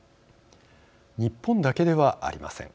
日本だけではありません。